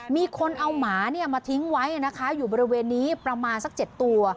มีคนเอาหมามาทิ้งไว้นะคะอยู่บริเวณนี้ประมาณสัก๗ตัว